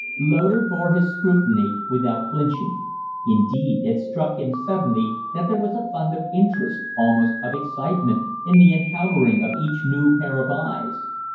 Loder bore his scrutiny without flinching. Indeed, it struck him suddenly that there was a fund of interest, almost of excitement, in the encountering of each new pair of eyes.